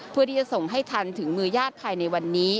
เพื่อที่จะส่งให้ทันถึงมือญาติภายในวันนี้